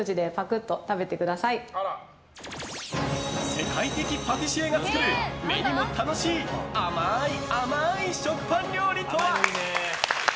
世界的パティシエが作る目にも楽しい甘い、甘い食パン料理とは？